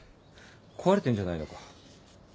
壊れてんじゃないのか？